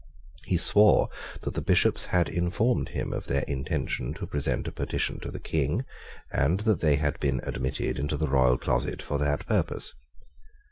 He swore that the Bishops had informed him of their intention to present a petition to the King, and that they had been admitted into the royal closet for that purpose.